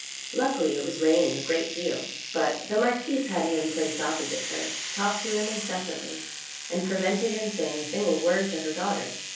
Luckily it was raining a great deal, but the marquise had him placed opposite her, talked to him in cessantly, and prevented him saying a single word to her daughter.